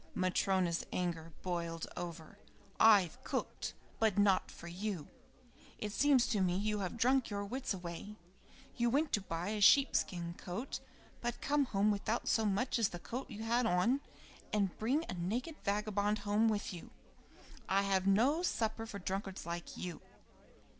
Matryona's anger boiled over. "I've cooked, but not for you. It seems to me you have drunk your wits away. You went to buy a sheep skin coat, but come home without so much as the coat you had on, and bring a naked vagabond home with you. I have no supper for drunkards like you."